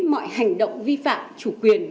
mọi hành động vi phạm chủ quyền